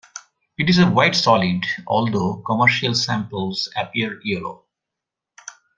It is a white solid, although commercial samples appear yellow.